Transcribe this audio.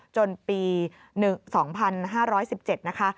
จนปี๒๕๑๗นะคะ